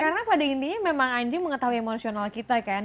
karena pada intinya memang anjing mengetahui emosional kita kan